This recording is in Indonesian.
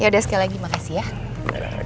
ya sekali lagi makasih ya